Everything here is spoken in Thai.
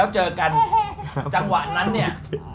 เจอกันจังหวะนั้นเนี่ย